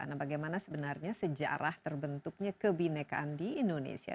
nah bagaimana sebenarnya sejarah terbentuknya kebinekaan di indonesia